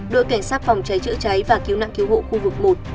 đội cảnh sát phòng cháy chữa cháy và cứu nạn cứu hộ khu vực một